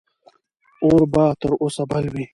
اور به تر اوسه بل وي.